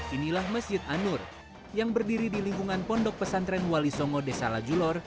inilah masjid anur yang berdiri di lingkungan pondok pesantren wali songo desa lajulor